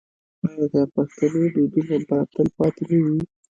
آیا د پښتنو دودونه به تل پاتې نه وي؟